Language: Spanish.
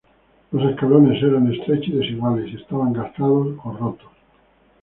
Los escalones eran estrechos y desiguales y estaban gastados o rotos.